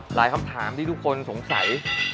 คำถามที่ทุกคนสงสัย